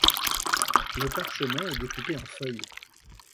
Le parchemin est découpé en feuilles.